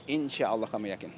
insya allah kami yakin